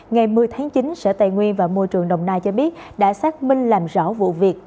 ngày một mươi tháng chín sở tài nguyên và môi trường đồng nai cho biết đã xác minh làm rõ vụ việc